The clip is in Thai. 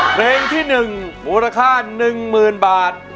เพลงที่๑มูลค่า๑๐๐๐บาท